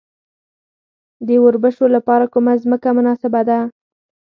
د وربشو لپاره کومه ځمکه مناسبه ده؟